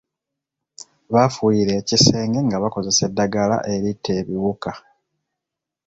Baafuuyira ekisenge nga bakozesa eddagala eritta ebiwuka.